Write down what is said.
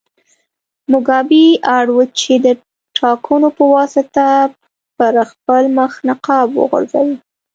موګابي اړ و چې د ټاکنو په واسطه پر خپل مخ نقاب وغوړوي.